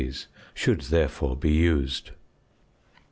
should, therefore, be used.